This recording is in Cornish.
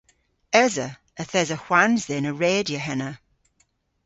Esa. Yth esa hwans dhyn a redya henna.